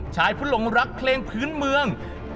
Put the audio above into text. ชายผู้หลงรักเพลงพื้นเมือง